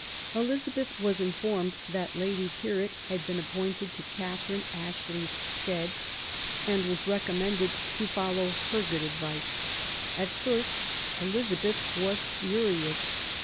Elizabeth was informed that Lady Tyrwhit had been appointed in Catherine Ashley's stead, and was recommended THE YOUTH OF ELIZABETH, 15 « to follow her good advice. At first, Elizabeth was furious.